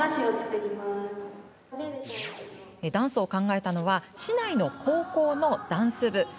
ダンスを考えたのは市内の高校のダンス部。